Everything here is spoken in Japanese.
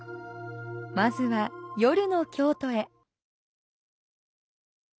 まずは夜の京都へ。